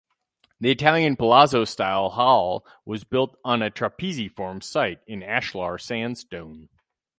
The Italian palazzo-style hall was built on a trapeziform site in ashlar sandstone.